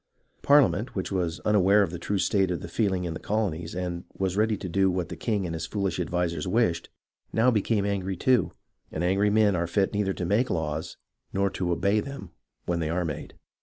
Par liament, which was unaware of the true state of the feel ing in the colonies, and was ready to do what the king and his foolish advisers wished, now became angry too ; and angry men are fit neither to make laws nor to obey them when they are made.